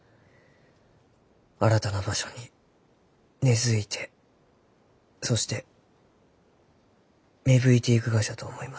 新たな場所に根づいてそして芽吹いていくがじゃと思います。